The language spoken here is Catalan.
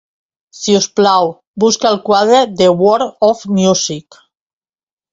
Si us plau, busca el quadre "The World of Music".